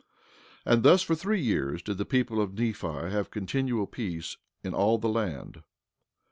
And thus for three years did the people of Nephi have continual peace in all the land.